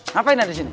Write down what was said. ngapain ada di sini